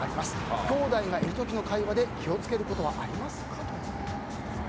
きょうだいがいる時の会話で気を付けることはありますか。